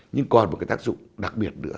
nhưng còn một cái tác dụng đặc biệt nữa